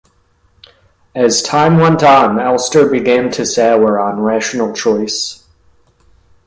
As time went on Elster began to sour on rational choice.